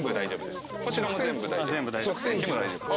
こちらも全部大丈夫。